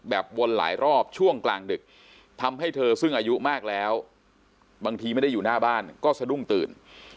วนหลายรอบช่วงกลางดึกทำให้เธอซึ่งอายุมากแล้วบางทีไม่ได้อยู่หน้าบ้านก็สะดุ้งตื่น